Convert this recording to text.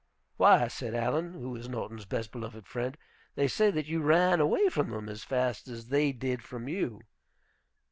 "Why," said Allen, who is Norton's best beloved friend, "they say that you ran away from them as fast as they did from you."